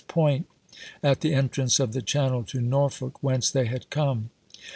xiiL Sewall's Point at the entrance of the channel to Norfolk, whence they had come.